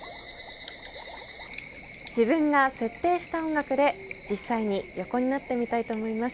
自分が設定した音楽で実際に横になってみたいと思います。